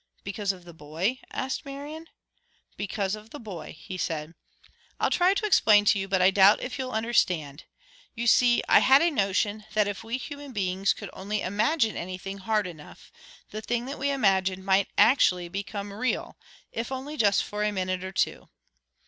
"Because of the boy?" asked Marian. "Because of the boy," he said. "I'll try to explain to you, but I doubt if you'll understand. You see, I had a notion that if we human beings could only imagine anything hard enough, the thing that we imagined might become actually real, if only just for a minute or two."